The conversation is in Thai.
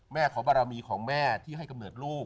ขอบารมีของแม่ที่ให้กำเนิดลูก